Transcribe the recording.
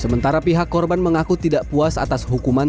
sementara pihak korban mengaku tidak puas atas hukuman